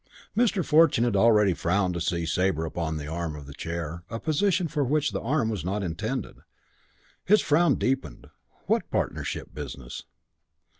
Mr. Fortune had already frowned to see Sabre upon the arm of the chair, a position for which the arm was not intended. His frown deepened. "What partnership business?"